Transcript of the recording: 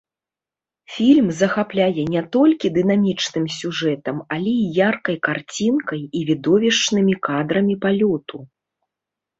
Фільм захапляе не толькі дынамічным сюжэтам, але і яркай карцінкай, і відовішчнымі кадрамі палёту.